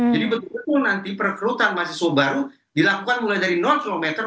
jadi betul betul nanti perekrutan mahasiswa baru dilakukan mulai dari non komunikasi